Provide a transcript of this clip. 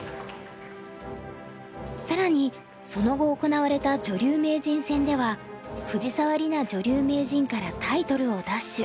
更にその後行われた女流名人戦では藤沢里菜女流名人からタイトルを奪取。